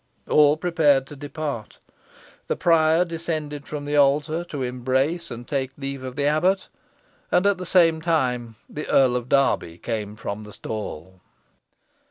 All prepared to depart. The prior descended from the altar to embrace and take leave of the abbot; and at the same time the Earl of Derby came from the stall.